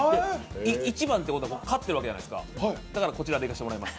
１番ってことは勝ってるわけじゃないですかだから、こちらに生かしてもらいます。